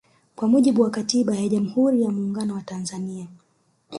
Kwa mujibu wa katiba ya jamhuri ya Muungano wa Tanzania